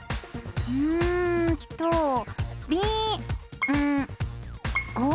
うんと「びんご」？